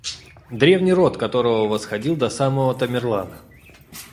древний род которого восходил до самого Тамерлана.